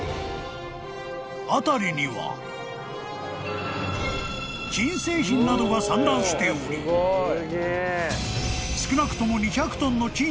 ［辺りには金製品などが散乱しており少なくとも］